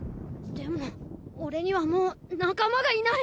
でも俺にはもう仲間がいない。